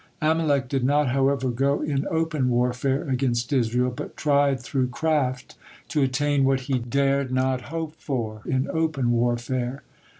Amalek did not, however, go in open warfare against Israel, but tried through craft to attain what he dared not hope for in open warfare.